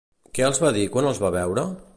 Què els va dir quan els va veure?